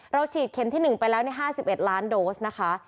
ฉีดเข็มที่๑ไปแล้ว๕๑ล้านโดสนะคะ